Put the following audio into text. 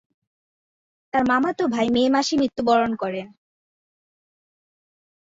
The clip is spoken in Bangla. তার মামাতো ভাই মে মাসে মৃত্যুবরণ করে।